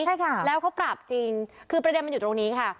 ใช่ค่ะแล้วเขาปราบจริงคือประเด็นมันอยู่ตรงนี้ค่ะ